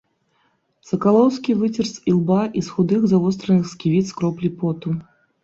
Сакалоўскі выцер з ілба і з худых завостраных сківіц кроплі поту.